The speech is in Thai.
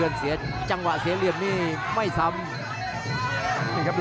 อื้อหือจังหวะขวางแล้วพยายามจะเล่นงานด้วยซอกแต่วงใน